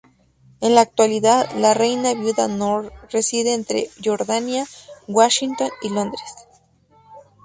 En la actualidad, la reina viuda Noor reside entre Jordania, Washington y Londres.